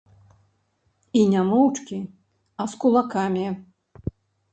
І не моўчкі, а з кулакамі.